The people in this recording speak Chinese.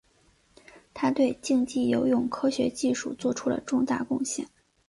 他对竞技游泳科学技术做出了重大贡献。